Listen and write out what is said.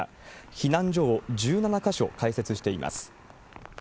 避難所を１７か所開設しています。